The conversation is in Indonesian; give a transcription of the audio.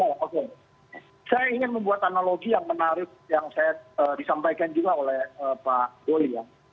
ya oke saya ingin membuat analogi yang menarik yang saya disampaikan juga oleh pak doli ya